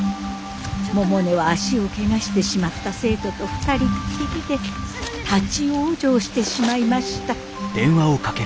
百音は足をけがしてしまった生徒と２人っきりで立往生してしまいました。